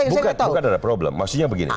bukan bukan ada problem maksudnya begini